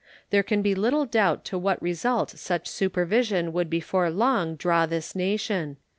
There can be little doubt to what result such supervision would before long draw this nation.